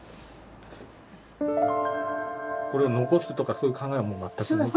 これ残すとかそういう考えは？